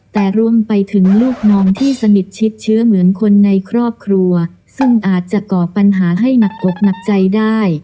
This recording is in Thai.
แต่รวมไปถึงลูกน้องที่สนิทชิดเชื้อเหมือนคนในครอบครัวซึ่งอาจจะก่อปัญหาให้หนักอกหนักใจได้